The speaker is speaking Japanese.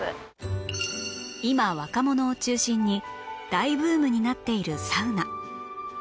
今若者を中心に大ブームになっているサウナ